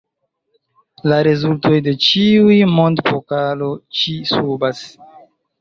La rezultoj de ĉiu Mond-Pokalo ĉi-subas.